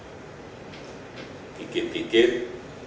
jadi saya ingin mengingatkan kepada para pelaku usaha dan investor